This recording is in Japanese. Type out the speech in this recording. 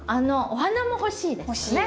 お花も欲しいですよね。